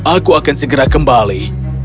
aku akan segera kembali